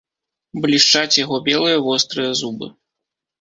Блішчаць яго белыя вострыя зубы.